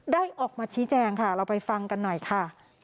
ออกมาชี้แจงค่ะเราไปฟังกันหน่อยค่ะ